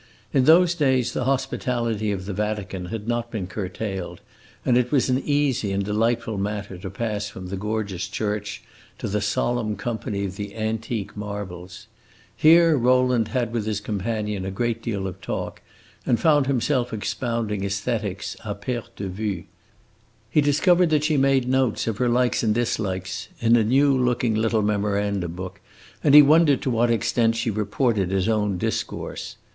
In those days the hospitality of the Vatican had not been curtailed, and it was an easy and delightful matter to pass from the gorgeous church to the solemn company of the antique marbles. Here Rowland had with his companion a great deal of talk, and found himself expounding aesthetics a perte de vue. He discovered that she made notes of her likes and dislikes in a new looking little memorandum book, and he wondered to what extent she reported his own discourse.